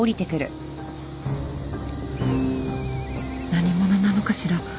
何者なのかしら？